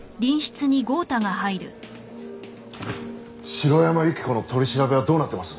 城山由希子の取り調べはどうなってます？